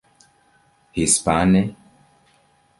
Hispane?